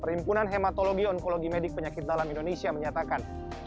perhimpunan hematologi onkologi medik penyakit dalam indonesia menyatakan